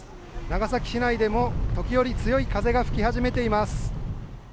長崎市内でも時折強い風が吹き始めています。